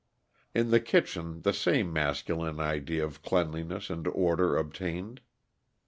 In the kitchen the same masculine idea of cleanliness and order obtained.